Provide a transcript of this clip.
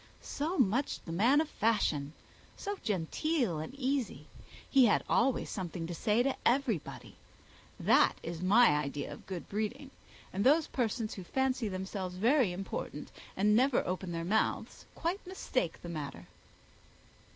so much the man of fashion! so genteel and so easy! He has always something to say to everybody. That is my idea of good breeding; and those persons who fancy themselves very important and never open their mouths quite mistake the matter."